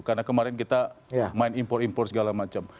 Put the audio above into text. karena kemarin kita main impor impor segala macam